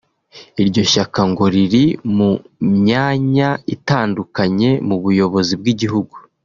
Iryo shyaka ngo riri mu myanya itandukanye mu buyobozi bw’igihugu